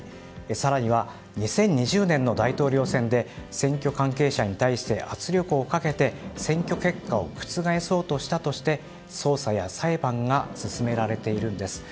更には、２０２０年の大統領選で選挙関係者に対して圧力をかけて選挙結果を覆そうとしたとして捜査や裁判が進められているんです。